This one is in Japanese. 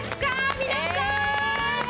皆さん！